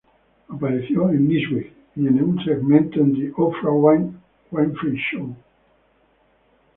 Apareció en "Newsweek" y en un segmento en "The Oprah Winfrey Show".